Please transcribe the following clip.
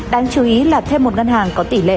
đáng chú ý là thêm một ngân hàng có tỷ lệ